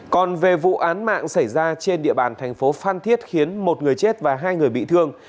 còn về vụ án mạng xảy ra trên địa bàn thành phố phan thiết khiến một người chết và hai người bị thương